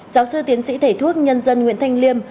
giáo sư tiến sĩ thể thuốc nhân dân nguyễn thanh liêm